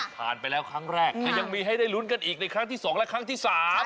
ผ่านไปแล้วครั้งแรกยังมีให้ได้ลุ้นกันอีกในครั้งที่๒และครั้งที่๓